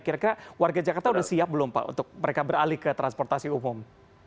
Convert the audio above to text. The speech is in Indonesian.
kira kira warga jakarta sudah siap belum pak untuk mereka beralih ke transportasi umum